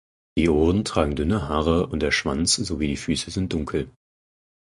Die Ohren tragen dünne Haare und der Schwanz sowie die Füße sind dunkel.